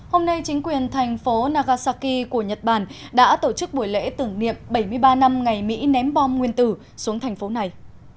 hôm nay chính quyền thành phố nagasaki của nhật bản đã tổ chức buổi lễ tưởng niệm bảy mươi ba năm ngày mỹ ném bom nguyên tử xuống thành phố này